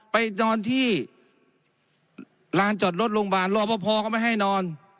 ไปนอนที่ร้านจอดรถโรงงานรอพอก็ไม่ให้นอน